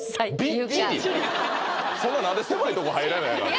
そんな何で狭いとこ入らなあかんの？